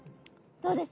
どうです？